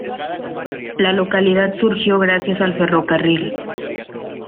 La localidad surgió gracias al ferrocarril.